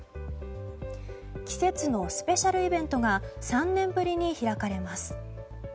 季節のスペシャルイベントが３年ぶりに開かれます。